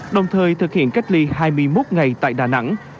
đồng thời thực hiện cách ly hai mươi một ngày tại đà nẵng